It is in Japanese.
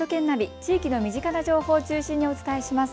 地域の身近な情報を中心にお伝えします。